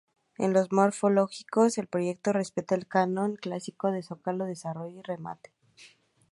En lo morfológico, el proyecto respeta el canon clásico de zócalo, desarrollo y remate.